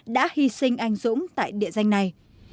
địa danh này